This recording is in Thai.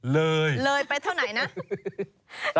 เลยเลยไปเท่าไหนนะ